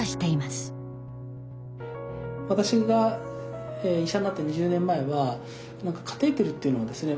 私が医者になった２０年前はカテーテルっていうのはですね